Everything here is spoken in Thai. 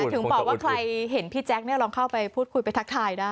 ถึงบอกว่าใครเห็นพี่แจ๊คลองเข้าไปพูดคุยไปทักทายได้